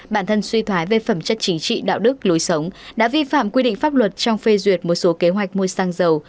bản thân suy thoái về phẩm chất chính trị đạo đức lối sống đã vi phạm quy định pháp luật trong phê duyệt một số kế hoạch mua xăng dầu